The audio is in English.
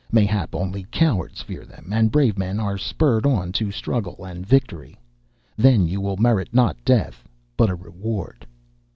Mayhap only cowards fear them, and brave men are spurred on to struggle and victory. Then will you merit not death but a reward.